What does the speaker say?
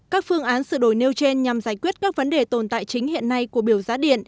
các phương án sự đổi nêu trên nhằm giải quyết các vấn đề tồn tại chính hiện nay của biểu giá điện